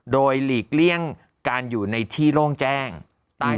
โดยหลีกเลี่ยงในที่โล่งแจ้งใต้ต้นไม้ใหญ่